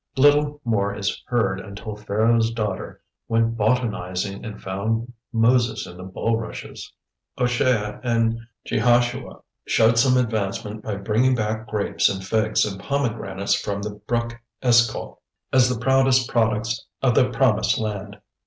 Little more is heard until Pharaoh's daughter went botanizing and found Moses in the bulrushes. Oshea and Jehoshua showed some advancement by bringing back grapes and figs and pomegranates from the brook Eschol as the proudest products of the promised land.